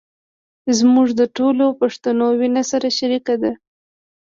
زموږ د ټولو پښتنو وينه سره شریکه ده.